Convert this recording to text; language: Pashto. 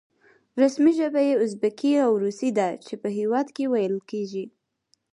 رسمي ژبه یې ازبکي او روسي ده چې په هېواد کې ویل کېږي.